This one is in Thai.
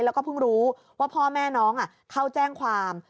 แล้วก็เพิ่งรู้ว่าพ่อแม่น้องเข้าแจ้งความ